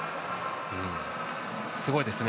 すごいですね。